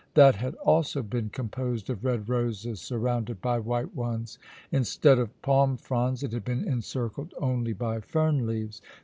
That had also been composed of red roses, surrounded by white ones. Instead of palm fronds, it had been encircled only by fern leaves.